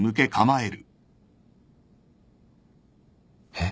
えっ？